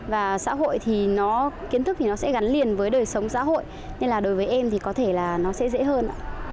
và kiến thức thì nó sẽ gắn liền với đời sống xã hội nên là đối với em thì có thể là nó sẽ dễ hơn